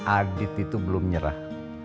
adit itu belum nyerah